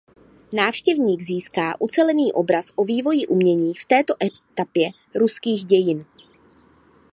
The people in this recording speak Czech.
Návštěvník získá ucelený obraz o vývoji umění v této etapě ruských dějin.